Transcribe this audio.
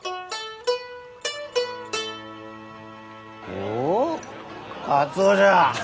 おカツオじゃ！